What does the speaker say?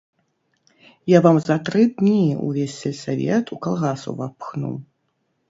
Я вам за тры дні ўвесь сельсавет у калгас увапхну.